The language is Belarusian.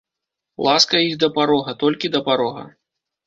Ласка іх да парога, толькі да парога.